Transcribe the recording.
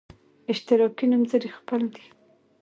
اشتراکي نومځري خپل دی.